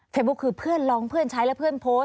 คือเพื่อนลองเพื่อนใช้แล้วเพื่อนโพสต์